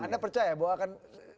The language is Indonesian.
anda percaya bahwa akan